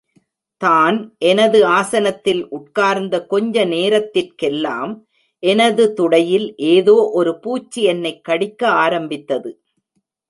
தான் எனது ஆசனத்தில் உட்கார்ந்த கொஞ்ச நேரத்திற்கெல்லாம் எனது துடையில் ஏதோ ஒரு பூச்சி என்னைக் கடிக்க ஆரம்பித்தது!